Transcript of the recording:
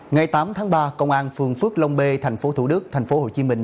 ngày tám tháng ba công an phường phước long b thành phố thủ đức thành phố hồ chí minh